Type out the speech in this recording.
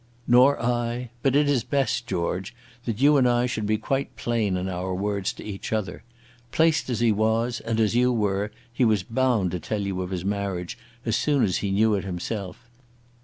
"Nor I. But it is best, George, that you and I should be quite plain in our words to each other. Placed as he was, and as you were, he was bound to tell you of his marriage as soon as he knew it himself.